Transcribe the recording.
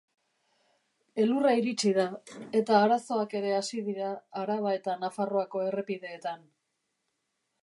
Elurra iritsi da, eta arazoak ere hasi dira Araba eta Nafarroako errepideetan.